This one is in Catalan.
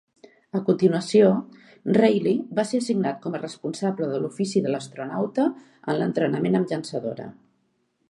A continuació, Reilly va ser assignat com a responsable de l'ofici de l'astronauta en l'entrenament amb llançadora.